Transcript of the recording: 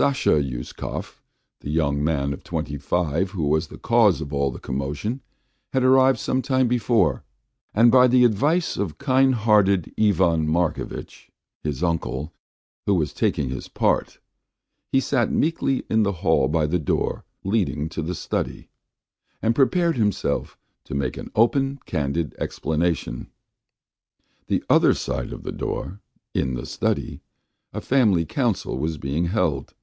Sasha Uskov, the young man of twenty five who was the cause of all the commotion, had arrived some time before, and by the advice of kind hearted Ivan Markovitch, his uncle, who was taking his part, he sat meekly in the hall by the door leading to the study, and prepared himself to make an open, candid explanation. The other side of the door, in the study, a family council was being held.